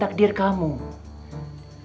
takdir kamu adalah menjadi istri yang mulia